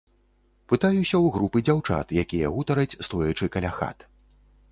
Пытаюся ў групы дзяўчат, якія гутараць, стоячы каля хат.